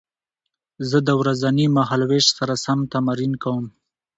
زه د ورځني مهالوېش سره سم تمرین کوم.